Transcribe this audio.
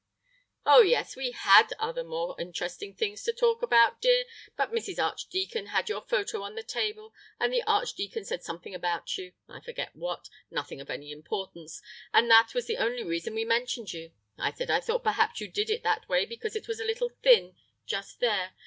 "Oh, yes, we had other more interesting things to talk about, dear, but Mrs. Archdeacon had your photo on the table, and the Archdeacon said something about you, I forget what—nothing of any importance—and that was the only reason we mentioned you. I said I thought perhaps you did it that way because it was a little thin just there....